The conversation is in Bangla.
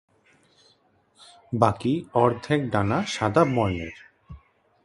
বাকি অর্ধেক ডানা সাদা বর্ণের।